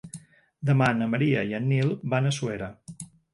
Demà na Maria i en Nil van a Suera.